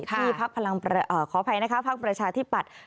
ที่ภักดิ์ประชาธิบัตร